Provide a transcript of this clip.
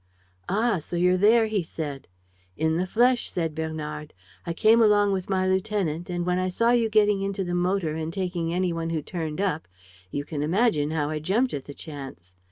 "Ah, so you're there?" he said. "In the flesh," said Bernard. "I came along with my lieutenant; and, when I saw you getting into the motor and taking any one who turned up, you can imagine how I jumped at the chance!"